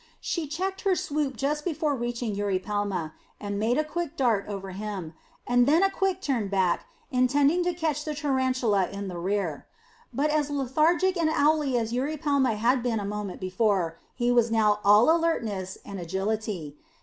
She checked her swoop just before reaching Eurypelma, and made a quick dart over him, and then a quick turn back, intending to catch the tarantula in the rear. But lethargic and owly as Eurypelma had been a moment before, he was now all alertness and agility.